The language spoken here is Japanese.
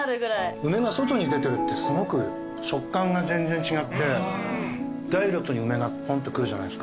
梅が外に出てるってすごく食感が全然違くてダイレクトに梅がぽんってくるじゃないですか。